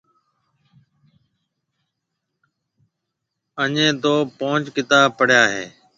اَڃي تو پونچ ڪتاب پڙيا هيَ۔